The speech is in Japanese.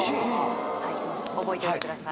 覚えておいてください